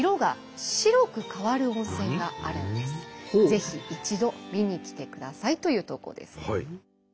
ぜひ一度見に来てくださいという投稿です。